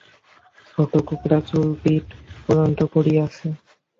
ছোটো কোঁকড়া চুল পিঠ পর্যন্ত পড়িয়াছে।